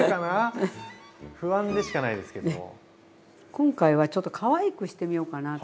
今回はちょっとかわいくしてみようかなと思って。